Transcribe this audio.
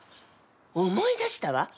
思い出したわ！